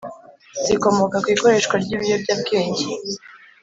zikomoka ku ikoreshwa ry’ibiyobyabwenge.